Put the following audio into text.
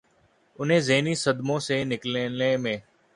انہیں ذہنی صدموں سے نکلنے میں